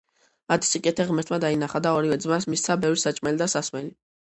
მათი სიკეთე ღმერთმა დაინახა და ორივე ძმას მისცა ბევრი საჭმელი და სასმელი.